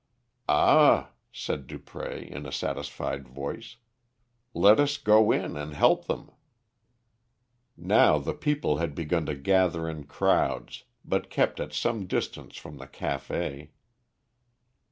"Ah," said Dupré, in a satisfied voice, "let us go in, and help them." Now the people had begun to gather in crowds, but kept at some distance from the café.